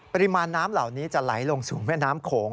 ปริมาณน้ำเหล่านี้จะไหลลงสู่แม่น้ำโขง